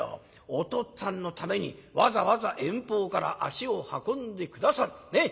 お父っつぁんのためにわざわざ遠方から足を運んで下さる。